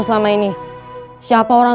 selama ini siapa orang